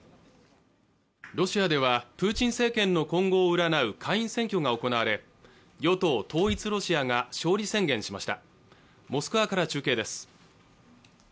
ロシアではプーチン政権の今後を占う下院選挙が行われ与党・統一ロシアが勝利宣言しましたモスクワから中継です